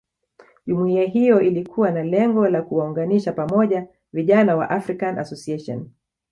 Jumuiya hiyo ilikuwa na lengo la kuwaunganisha pamoja vijana wa African Association